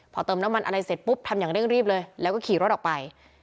พอเติมน้ำมันอะไรเสร็จปุ๊บทำอย่างเร่งรีบเลยแล้วก็ขี่รถออกไป